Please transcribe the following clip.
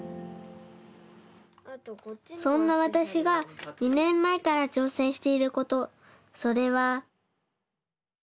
そんなわたしが２ねんまえからちょうせんしていることそれは。